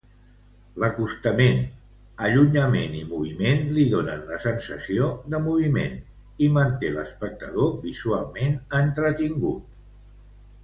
L'acostament, allunyament i moviment li donen la sensació de moviment i manté l'espectador visualment entretingut.